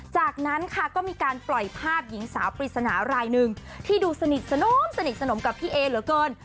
จากนั้นค่ะก็มีการปล่อยภาพหญิงสาวปริศนารายหนึ่งที่ดูสนิทสนมสนิทสนมกับพี่เอเหลือเกิน